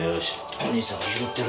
お兄さんが拾ってやるぞ。